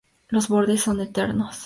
Los bordes son enteros.